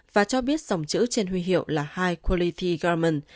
và cho biết dòng chữ trên huy hiệu là high quality garment